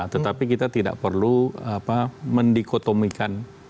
tetapi kita tidak perlu mendikotomikan